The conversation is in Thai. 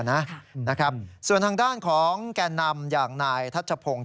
แถมแล้วอ่ะนะส่วนทางด้านของแก่นำอย่างนายทัชโพง